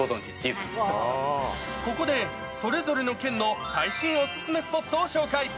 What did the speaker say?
ここで、それぞれの県の最新おすすめスポットを紹介。